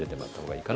はい。